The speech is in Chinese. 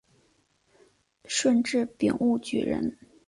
顺治丙戌举人。